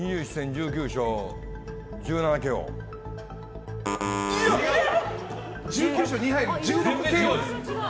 １９勝２敗１６ＫＯです。